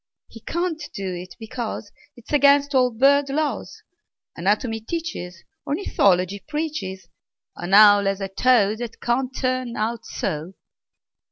He can't do it, because 'T is against all bird laws. Anatomy teaches, Ornithology preaches An owl has a toe That can't turn out so!